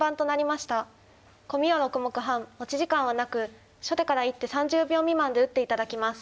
コミは６目半持ち時間はなく初手から１手３０秒未満で打って頂きます。